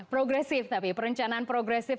progresif tapi perencanaan progresif